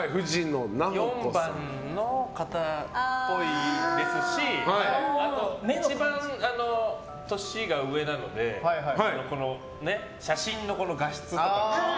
４番の方っぽいですし一番、年が上なので写真の画質とか。